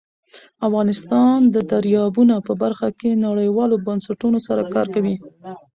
افغانستان د دریابونه په برخه کې نړیوالو بنسټونو سره کار کوي.